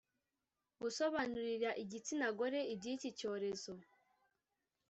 Gusobanurira igitsina gore iby’iki cyorezo